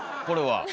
これは？